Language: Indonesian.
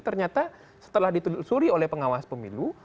ternyata setelah ditelusuri oleh pengawas pemilu